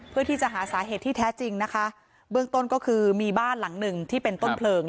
เพื่อที่จะหาสาเหตุที่แท้จริงนะคะเบื้องต้นก็คือมีบ้านหลังหนึ่งที่เป็นต้นเพลิง